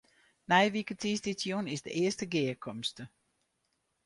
Nije wike tiisdeitejûn is de earste gearkomste.